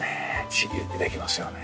自由にできますよね。